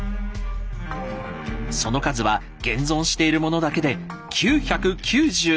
その数は現存しているものだけで９９７。